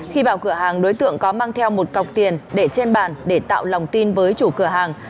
khi vào cửa hàng đối tượng có mang theo một cọc tiền để trên bàn để tạo lòng tin với chủ cửa hàng